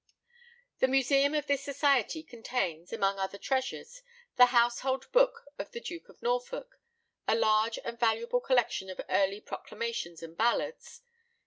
The museum of this society contains, among other treasures, the Household Book of the Duke of Norfolk; a large and valuable collection of early proclamations and ballads; T.